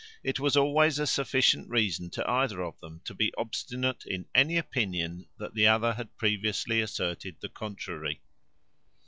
It was always a sufficient reason to either of them to be obstinate in any opinion, that the other had previously asserted the contrary.